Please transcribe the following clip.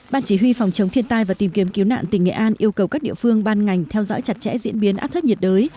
ban chỉ huy phòng chống thiên tai và tìm kiếm cứu nạn tỉnh nghệ an yêu cầu các địa phương ban ngành theo dõi chặt chẽ diễn biến áp thấp nhiệt đới